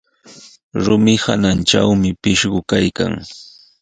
Rumi hanantrawmi pishqu kaykan.